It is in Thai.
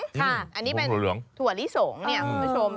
ค่ะอันนี้เป็นถั่วลิสงเนี่ยคุณผู้ชม